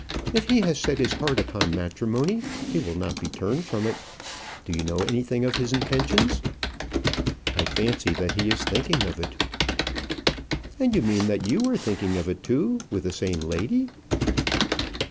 If he has set his heart upon matrimony, he will not be turned from it. Do you know anything of his intentions?" "I fancy that he is thinking of it." "And you mean that you were thinking of it, too, with the same lady."